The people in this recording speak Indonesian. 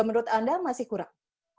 menurut anda masih kurang